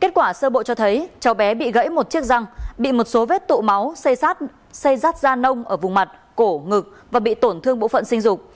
kết quả sơ bộ cho thấy cháu bé bị gãy một chiếc răng bị một số vết tụ máu xây rát da nông ở vùng mặt cổ ngực và bị tổn thương bộ phận sinh dục